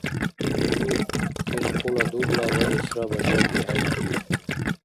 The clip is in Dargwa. Юх, ил хъула дубла ваэсра бажардихӀейкиб.